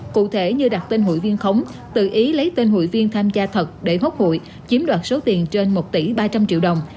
cụ thể như đặt tên hụi viên khống tự ý lấy tên hụi viên tham gia thật để hốt hụi chiếm đoạt số tiền trên một tỷ ba trăm linh triệu đồng